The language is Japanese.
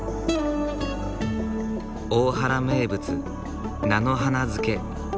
大原名物「菜の花漬け」。